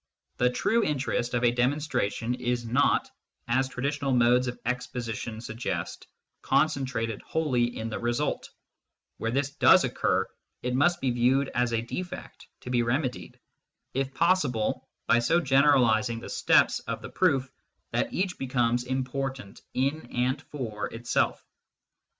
The true interest of a demonstration is not, as traditional modes of exposition suggest, concentrated wholly in the result ; where this does occur, it must be viewed as a defect, to be remedied, if possible, by so generalising the steps of the proof that each becomes important in and for itself.